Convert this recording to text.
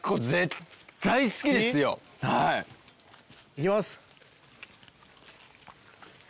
行きます。